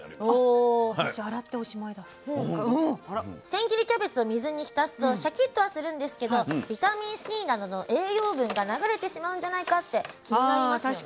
千切りキャベツを水に浸すとシャキッとはするんですけどビタミンＣなどの栄養分が流れてしまうんじゃないかって気になりますよね。